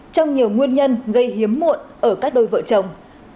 trong nhiều nguyên nhân gây hiếm muộn ở các đôi vợ chồng